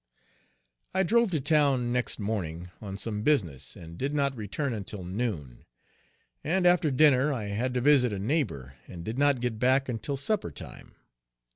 I drove to town next morning, on some business, and did not return until noon; and after dinner I had to visit a neighbor, and did not get back until supper time.